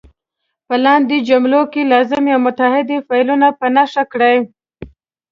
په لاندې جملو کې لازمي او متعدي فعلونه په نښه کړئ.